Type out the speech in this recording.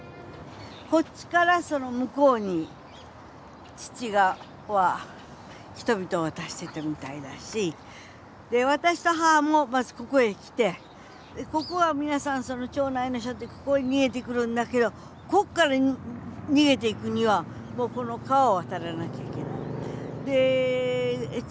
こっちから向こうに父は人々を渡してたみたいだし私と母もまずここへ来てここは皆さん町内の人たちここへ逃げてくるんだけどこっから逃げていくにはこの川を渡らなきゃいけない。